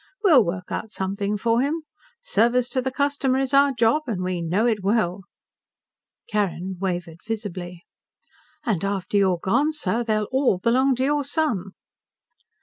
We'll work out something for him. Service to the customer is our job and we know it well." Carrin wavered visibly. "And after you're gone, sir, they'll all belong to your son."